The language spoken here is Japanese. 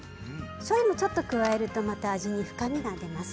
しょうゆもちょっと加わるとまた味に深みが出ます。